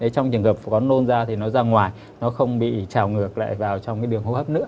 trong trường hợp có nôn ra thì nó ra ngoài nó không bị trào ngược lại vào trong đường hô hấp nữa